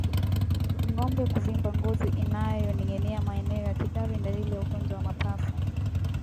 Ngombe kuvimba ngozi inayoninginia maeneo ya kidari ni dalili ya ugonjwa wa mapafu